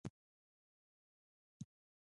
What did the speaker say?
د ملاریا لپاره کوم بوټی وکاروم؟